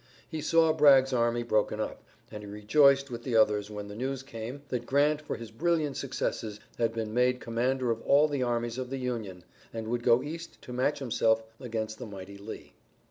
He saw Bragg's army broken up, and he rejoiced with the others when the news came that Grant for his brilliant successes had been made commander of all the armies of the Union, and would go east to match himself against the mighty Lee.